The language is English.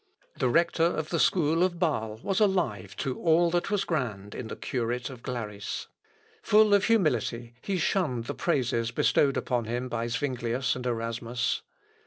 The rector of the school of Bâle was alive to all that was grand in the curate of Glaris. Full of humility, he shunned the praises bestowed upon him by Zuinglius and Erasmus.